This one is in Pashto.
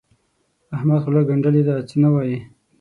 احمد خوله ګنډلې ده؛ څه نه وايي.